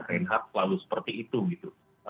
rain hard selalu seperti itu gitu